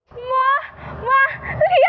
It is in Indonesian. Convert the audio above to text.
ma ma liat deh ma